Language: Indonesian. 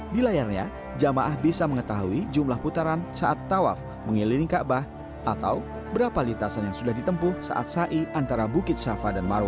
di layarnya jamaah bisa mengetahui jumlah putaran saat tawaf mengeliling ka'bah atau berapa litasan yang sudah ditempuh saat sa'i antara bukit syafa dan marwah